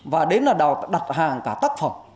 và đến là đặt hàng cả tác phẩm